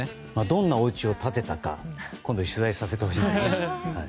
どんなおうちを建てたか今度、取材させてほしいですね。